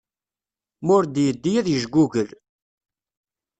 Ma ur d-yeddi ad yejgugel.